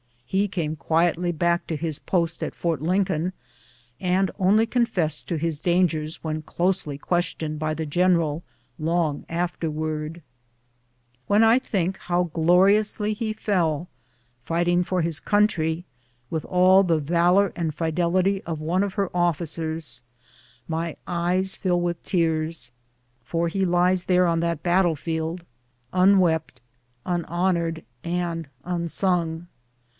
He came quietly back to bis post at Fort Lincoln, and only confessed to his dangers when closely questioned by the general long afterwards. When I think how gloriously he fell, fighting for his country, with all the valor and fidelity of one of her ofiicers, my eyes fill w^itli tears ; for he lies there on that battle field, unwept, un honored, and unsung.